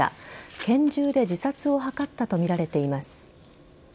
拳銃で自殺を図ったとみられています。